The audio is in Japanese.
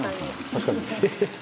「確かに」